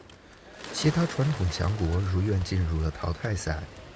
其他传统强国如愿进入了淘汰赛。